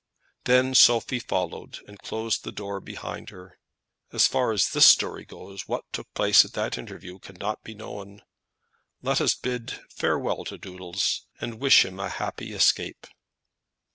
Then Sophie followed, and closed the door behind her. As far as this story goes, what took place at that interview cannot be known. Let us bid farewell to Doodles, and wish him a happy escape.